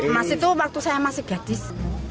emas itu waktu saya masih gadis